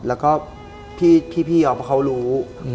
แล้วก็พี่อ๊อฟเขารู้